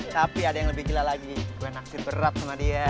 tapi ada yang lebih gila lagi gue naksir berat sama dia